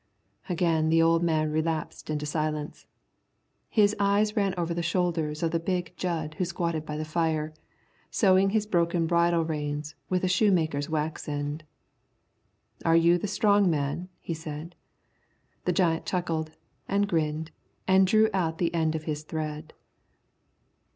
Again the old man relapsed into silence. His eyes ran over the shoulders of the big Jud who squatted by the fire, sewing his broken bridle reins with a shoemaker's wax end. "Are you the strong man?" he said. The giant chuckled and grinned and drew out the end of his thread.